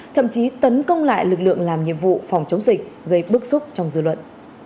thậm chí tấn công lại lực lượng làm nhiệm vụ phòng chống dịch gây bức xúc trong dư luận